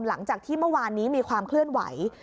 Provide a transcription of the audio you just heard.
หลังจากที่เมื่อวานนี้มีความเคลื่อนไหว